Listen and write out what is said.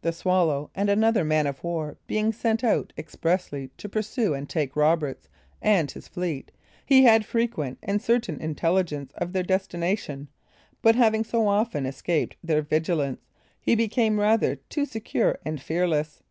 The Swallow and another man of war being sent out expressly to pursue and take Roberts and his fleet, he had frequent and certain intelligence of their destination; but having so often escaped their vigilance, he became rather too secure and fearless.